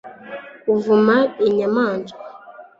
Kuvuma inyamaswa